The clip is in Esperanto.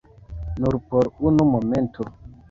Nur por unu momento.